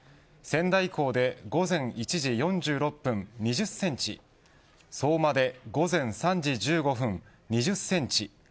仙台港で午前１時４６分に２０センチ相馬で午前３時１５分２０センチ